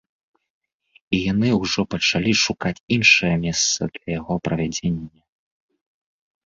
І яны ўжо пачалі шукаць іншае месца для яго правядзення.